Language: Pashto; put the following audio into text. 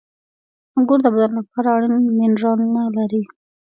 • انګور د بدن لپاره اړین منرالونه لري.